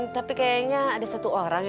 tapi kayaknya ada satu orang